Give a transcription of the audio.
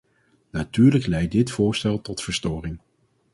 Natuurlijk leidt dit voorstel tot verstoring.